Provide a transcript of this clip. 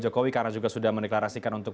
jokowi karena juga sudah mendeklarasikan untuk